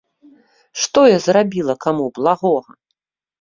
Што я зрабіла каму благога?